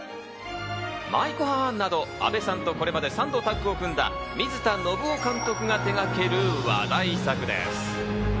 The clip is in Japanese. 『舞妓Ｈａａａａｎ！！！』など阿部さんとこれまで３度タッグを組んだ水田伸生監督が手がける話題作です。